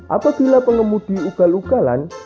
apabila pengemudi ugal ugalan